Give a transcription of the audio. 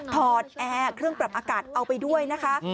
อดแอร์เครื่องปรับอากาศเอาไปด้วยนะคะ